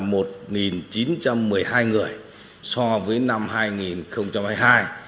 còn riêng đối với người chết thì giảm là một chín trăm một mươi hai người so với năm hai nghìn hai mươi hai